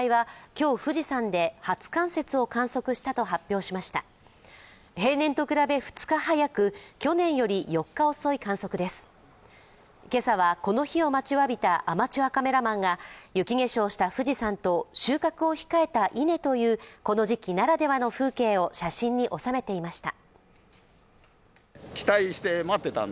今朝は、この日を待ちわびたアマチュアカメラマンが雪化粧した富士山と収穫を控えた稲というこの時期ならではの風景を写真に収めていました。